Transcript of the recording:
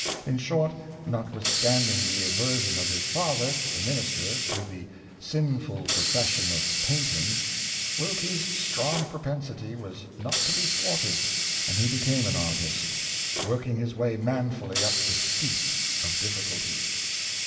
In short, notwithstand ing the aversion of his father, the minister, to the '' sinful " profession of painting, Wilkie's strong pro pensity was not to be thwarted, and he became an artist; working his way manfully up the steep of difficulty.